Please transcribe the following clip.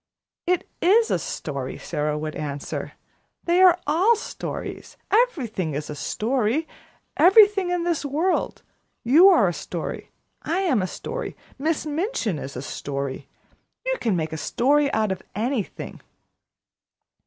"It is a story," Sara would answer. "They are all stories. Everything is a story everything in this world. You are a story I am a story Miss Minchin is a story. You can make a story out of anything."